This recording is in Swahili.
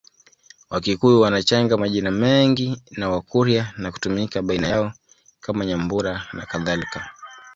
Wakikuyu wanachanga majina mengi na Wakurya na kutumika baina yao kama Nyambura nakadhalika